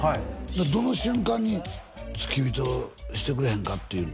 どの瞬間に付き人してくれへんかって言うの？